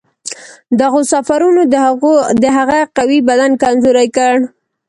دغو سفرونو د هغه قوي بدن کمزوری کړ.